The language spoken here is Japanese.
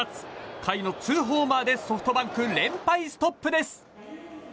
甲斐の２ホーマーでソフトバンク連敗ストップです。